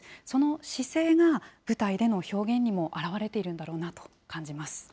その姿勢が、舞台での表現にも表れているんだろうなと感じます。